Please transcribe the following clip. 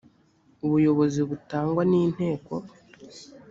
ubuyobozi butangwa n’inteko